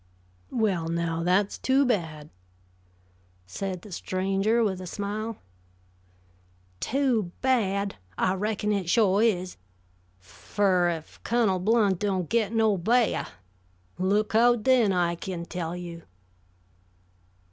"Well, now, that's too bad," said the stranger, with a smile. "Too bad? I reckon it sho' is. Fer, if Cunnel Blount don't get no b'ah look out den, I kin tell you."